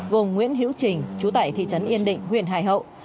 gồm nguyễn hiễu trình chú tại thị trấn yên định huyện hải hậu